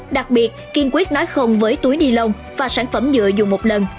đặc biệt kiên quyết nói không với túi nilon và sản phẩm nhựa dùng một lần